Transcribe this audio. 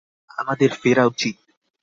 আমাদের ফেরা উচিত।